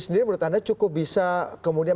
sendiri menurut anda cukup bisa kemudian